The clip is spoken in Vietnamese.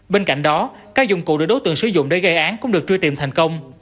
bên cạnh đó các dụng cụ được đối tượng sử dụng để gây án cũng được truy tìm thành công